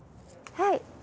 はい。